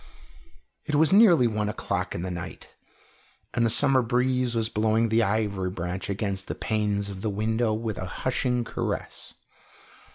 It was nearly one o'clock in the night, and the summer breeze was blowing the ivy branch against the panes of the window with a hushing caress.